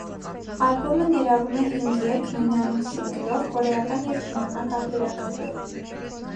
Ալբոմն ներառում է հինգ երգ, նույնանուն սինգլով, կորեական և չինական տարբերակներով։